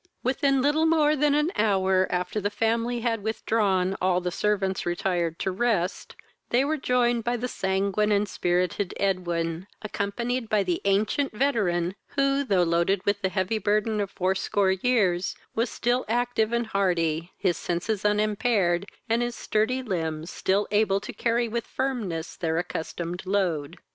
Within little more than an hour after the family had withdrawn, all the servants retired to rest, they were joined by the sanguine and spirited Edwin, accompanied by the ancient veteran, who, though loaded with the heavy burthen of fourscore years, was still active and hearty, his senses unimpaired, and his sturdy limbs still able to carry with firmness their accustomed load.